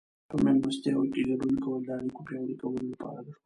په مېلمستیاوو کې ګډون کول د اړیکو پیاوړي کولو لپاره ګټور دي.